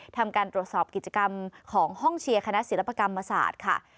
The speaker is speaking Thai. ทำการตรวจสอบกิจกรรมของห้องเชียร์คณะศิลปกรรมศาสตร์ค่ะ